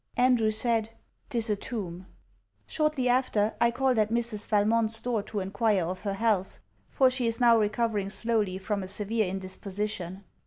Andrew said, 'Tis a tomb.' Shortly after, I called at Mrs. Valmont's door to inquire of her health, for she is now recovering slowly from a severe indisposition.